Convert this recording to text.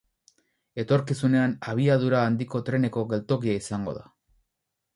Etorkizunean abiadura handiko treneko geltokia izango da.